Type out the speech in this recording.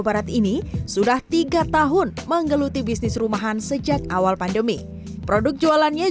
barat ini sudah tiga tahun menggeluti bisnis rumahan sejak awal pandemi produk jualannya